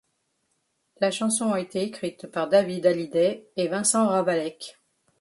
La chanson a été écrite par David Hallyday et Vincent Ravalec.